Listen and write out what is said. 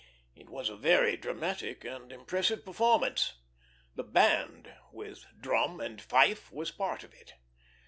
It was a very dramatic and impressive performance. The band, with drum and fife, was part of it.